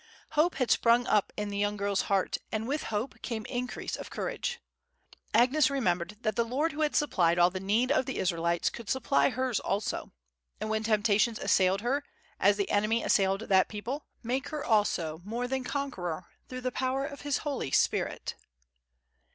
Hope had sprung up in the young girl's heart, and with hope came increase of courage. Agnes remembered that the Lord who had supplied all the need of the Israelites could supply hers also; and when temptations assailed her, as the enemy assailed that people, make her also more than conqueror through the power of His Holy Spirit.